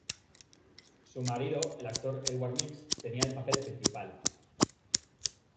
Su marido, el actor Edward Meeks, tenía el papel principal.